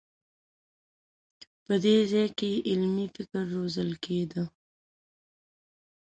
په دې ځای کې علمي فکر روزل کېده.